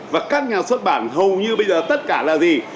và các nhà xuất bản hầu như bây giờ tất cả là gì